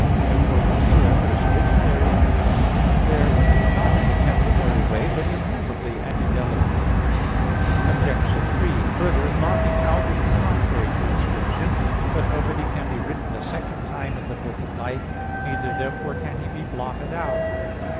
Therefore whatsoever is written therein, is there not in a temporary way, but immovably, and indelibly. Obj. 3: Further, blotting out is the contrary to inscription. But nobody can be written a second time in the book of life. Neither therefore can he be blotted out.